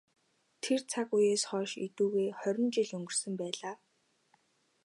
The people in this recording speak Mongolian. Тэр цаг үеэс хойш эдүгээ хорин жил өнгөрсөн байлаа.